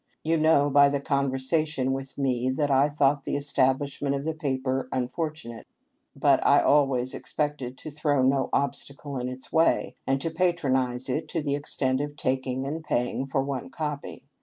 You know by the conversation with me that I thought the estab lishment of the paper unfortunate, but I always expected to throw no obstacle in its way, and to patronize it to the extent of taking and paying for one copy.